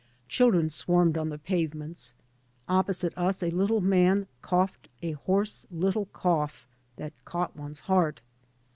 Children swarmed on the pavements. Opposite us a little man coughed a hoarse little cough that caught one's heart.